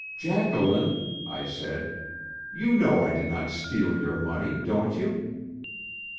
"Jacqueline," I said, "you know I did not steal your money, don't you?"